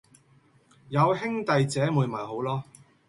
有兄弟姐妹咪好囉